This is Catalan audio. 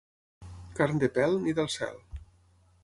Carn de pèl, ni del cel.